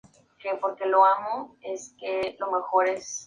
Vive en grupos, prefiriendo los lugares rocosos y cuevas para descansar.